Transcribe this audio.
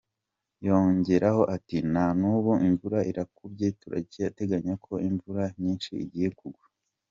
yongeraho ati :”Na n’ubu imvura irakubye turateganya ko imvura nyinshi igiye kugwa “.